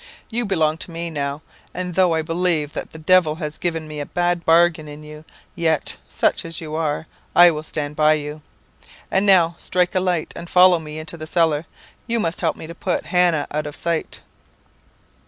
You belong to me now; and though I believe that the devil has given me a bad bargain in you, yet, such as you are, I will stand by you. And now, strike a light and follow me into the cellar. You must help me to put Hannah out of sight.'